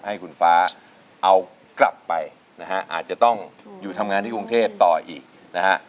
ให้คุณฟ้าเอากลับไปนะฮะอาจจะต้องอยู่ทำงานที่กรุงเทพต่ออีกนะฮะ